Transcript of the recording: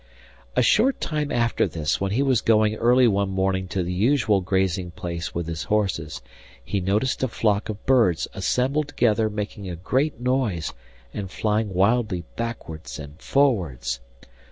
A short time after this, when he was going early one morning to the usual grazing place with his horses, he noticed a flock of birds assembled together making a great noise and flying wildly backwards and forwards.